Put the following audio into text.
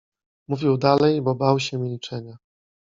Mówił dalej, bo bał się milczenia.